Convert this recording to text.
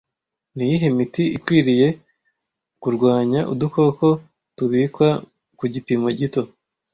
Niyihe miti ikwiriye kurwanya udukoko tubikwa ku gipimo gito